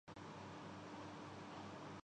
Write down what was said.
اپنے اعمال کی سزا ہے ظلم پہ خاموشی بھی ظلم ہے